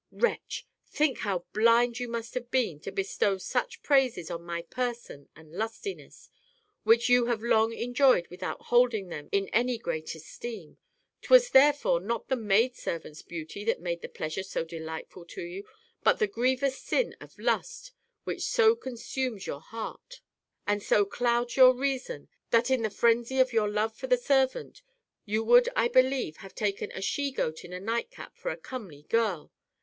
Wretch ! think how blind you must have been to bestow such praises on my person and lustiness, which you have long enjoyed without holding them in any great esteem. 'Twas, there fore, not the maid servant's beauty that made the pleasure so delightful to you, but the grievous sin of lust which so consumes your heart and so FIRST "DAT: TALE nil. ^ clouds your reason that in the frenzy of your love for the servant you would, I believe, have taken a she goat in a nightcap for a comely girl